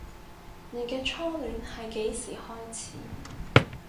你嘅初戀係幾時開始